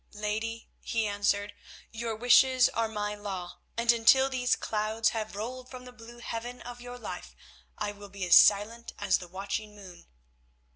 "Lady," he answered, "your wishes are my law, and until these clouds have rolled from the blue heaven of your life I will be as silent as the watching moon.